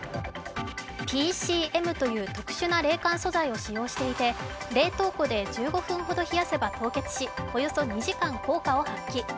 ＰＣＭという特殊な冷感素材を使用していて冷凍庫で１５分ほど冷やせば凍結し、およそ２時間効果を発揮。